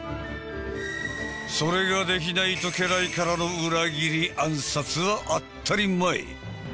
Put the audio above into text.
それができないと家来からの裏切り暗殺は当ったり前！